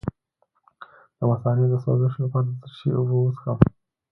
د مثانې د سوزش لپاره د څه شي اوبه وڅښم؟